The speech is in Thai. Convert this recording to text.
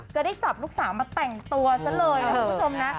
จะได้จับลูกสาวมาแต่งตัวซะเลยนะคุณผู้ชมนะ